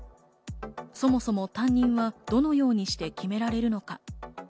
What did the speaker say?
そもそも担任はどのようにして決められるのか？